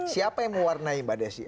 siapa yang mewarnai mbak desi